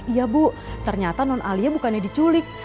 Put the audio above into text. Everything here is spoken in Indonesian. iya bu ternyata non alia bukannya diculik